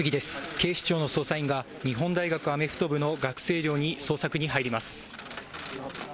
警視庁の捜査員が日本大学アメフト部の学生寮に捜索に入ります。